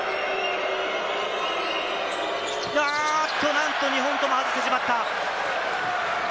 なんと、２本とも外してしまった！